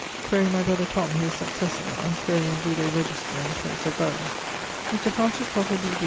Quaere my brother Tom who is successor; and quaere and vide register and place of buriall. Mr. Francis Potter, B.D.